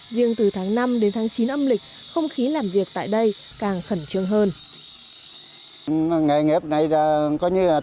riêng từ tháng năm đến tháng chín âm lịch không khí làm việc tại đây càng khẩn trương hơn